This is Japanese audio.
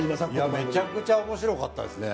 いやめちゃくちゃ面白かったですね。